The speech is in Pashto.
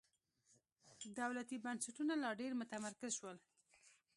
دولتي بنسټونه لا ډېر متمرکز شول.